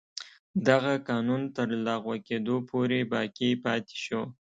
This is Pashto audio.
دغه قانون تر لغوه کېدو پورې باقي پاتې شو.